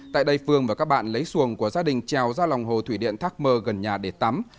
tại đây phương và các bạn lấy xuồng của gia đình trèo ra lòng hồ thủy điện thác mơ gần nhà để tắm